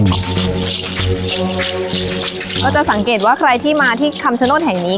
ก็จะสังเกตว่าใครที่มาที่คำชโนธแห่งนี้